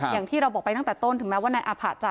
อย่างที่เราบอกไปตั้งแต่ต้นถึงแม้ว่านายอาผะจะ